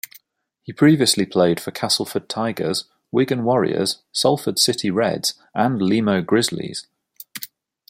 He previously played for Castleford Tigers, Wigan Warriors, Salford City Reds and Limoux Grizzlies.